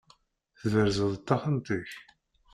Tberzeḍ-d taxxamt-ik?